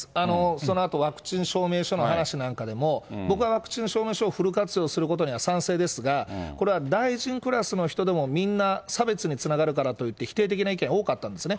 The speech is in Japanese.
そのあとワクチン証明書の話なんかでも、僕はワクチン証明書をフル活用することには賛成ですが、これは大臣クラスの人でもみんな差別につながるからといって、否定的な意見多かったんですね。